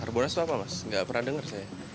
harbolnas apa mas nggak pernah dengar saya